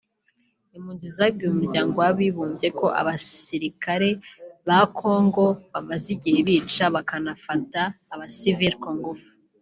Impunzi zabwiye Umuryango w'Abibumbye ko abasirikare ba Congo bamaze igihe bica bakanafata abasivile ku ngufu